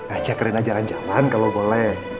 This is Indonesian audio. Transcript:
ajak reina jalan jalan kalo boleh